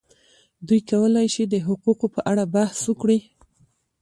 دوی کولای شي د حقوقو په اړه بحث وکړي.